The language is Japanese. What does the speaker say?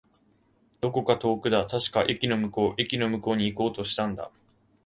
どこか遠くだ。確か、駅の向こう。駅の向こうに行こうとしたんだ。